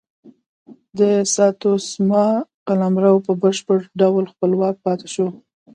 د ساتسوما قلمرو په بشپړ ډول خپلواک پاتې شو.